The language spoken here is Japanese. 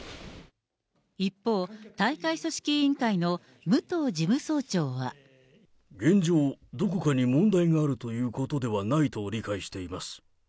一方、現状、どこかに問題があるということではないと理解しています。